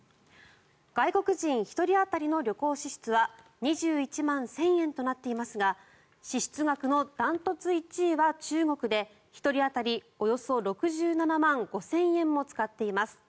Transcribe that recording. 外国人１人当たりの旅行支出は２１万１０００円となっていますが支出額の断トツ１位は中国で１人当たりおよそ６７万５０００円も使っています。